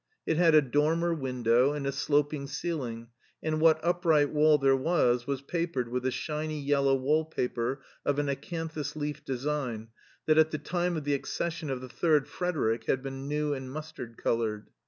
It had a dormer window and a sloping ceiling, and what upright wall there was was papered with a shiny yellow wall paper of an acanthus leaf design that at the time of the accession of the third Frederick had been new and mustard colored.